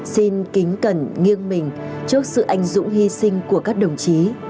xin kính cẩn nghiêng mình trước sự anh dũng hy sinh của các đồng chí